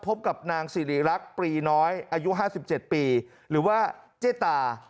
พบกับนางสิริรักษ์ปรีน้อยอายุห้าสิบเจ็ดปีหรือว่าเจตา